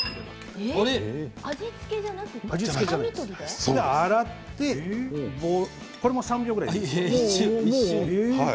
味付けじゃなくて洗ってこれも３秒ぐらい。